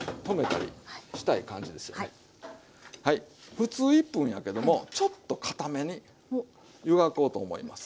ふつう１分やけどもちょっとかために湯がこうと思います。